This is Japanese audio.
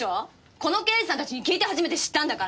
この刑事さんたちに聞いて初めて知ったんだから！